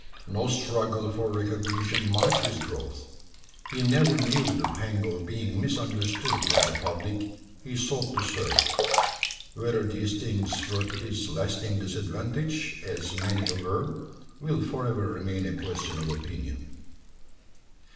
No struggle for recognition marked his growth. He never knew the pang of being misunderstood by the public he sought to serve. Whether these things were to his lasting disadvantage, as many aver, will forever remain a question of opinion.